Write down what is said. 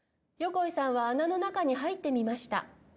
こいさんは穴の中にはいってみました